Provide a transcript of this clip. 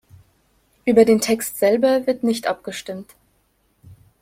Über den Text selber wird nicht abgestimmt.